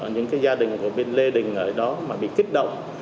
những cái gia đình của bên lê đình ở đó mà bị kích động